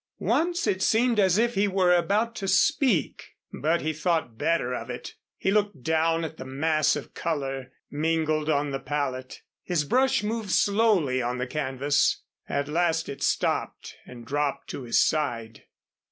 Once it seemed as if he were about to speak but he thought better of it. He looked down at the mass of color mingled on the palette. His brush moved slowly on the canvas. At last it stopped and dropped to his side.